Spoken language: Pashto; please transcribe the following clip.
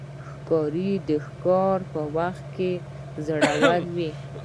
ښکاري د ښکار په وخت کې زړور وي.